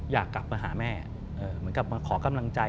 อยากกลับมาหาแม่เหมือนกลับมาขอกำลังใจ